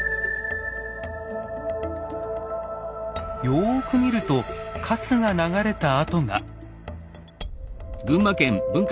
よく見るとかすが流れた跡が。